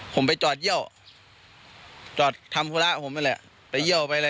ผมไปจอดเยี่ยวจอดทำธุระผมนั่นแหละไปเยี่ยวไปอะไร